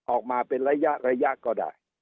ออกมาเป็นระยะก็ได้